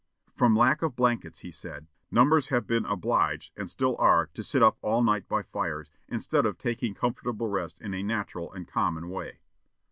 From lack of blankets, he said, "numbers have been obliged, and still are, to sit up all night by fires, instead of taking comfortable rest in a natural and common way."